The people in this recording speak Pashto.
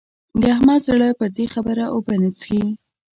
د احمد زړه پر دې خبره اوبه نه څښي.